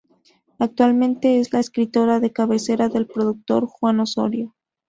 Actualmente es la escritora de cabecera del productor Juan Osorio.